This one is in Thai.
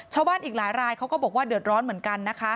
ชาวบ้านอีกหลายรายเขาก็บอกว่าเดือดร้อนเหมือนกันนะคะ